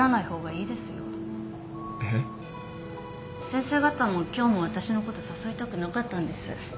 先生方も今日も私のこと誘いたくなかったんです。